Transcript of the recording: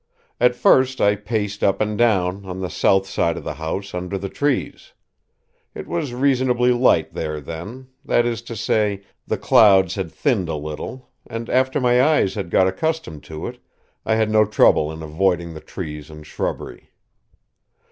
At first I paced up and down, on the south side of the house, under the trees. It was reasonably light there then that is to say, the clouds had thinned a little, and, after my eyes had got accustomed to it, I had no trouble in avoiding the trees and shrubbery.